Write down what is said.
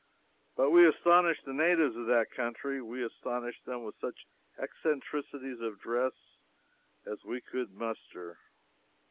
But we astonished the natives of that country. We astonished them with such eccentricities of dress as we could muster.